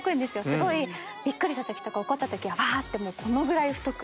すごいびっくりした時とか怒った時はバーッってこのぐらい太く。